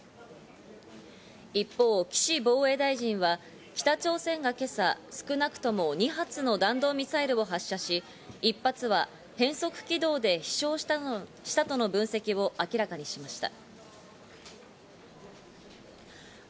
一方、岸防衛大臣は北朝鮮が今朝、少なくとも２発の弾道ミサイルを発射し、１発は変速軌道で飛翔したとの分析を明らかにしました。